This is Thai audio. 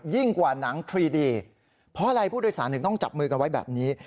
ยิ่งกว่านังครีย์ดีเพราะอะไรผู้โดยสารเนี้ยต้องจับมือกันไว้แบบนี้